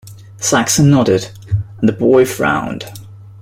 Saxon nodded, and the boy frowned.